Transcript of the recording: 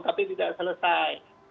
tapi tidak selesai